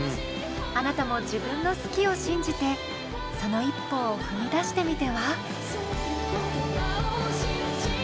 あなたも自分の好きを信じてその一歩を踏み出してみては？